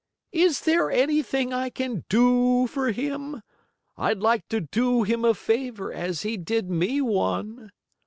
Is there anything I can do for him? I'd like to do him a favor as he did me one."